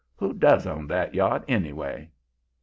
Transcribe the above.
Who does own that yacht, anyway?'